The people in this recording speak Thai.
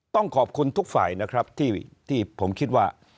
ต้องขอบคุณทุกฝ่ายนะครับที่ผมคิดว่า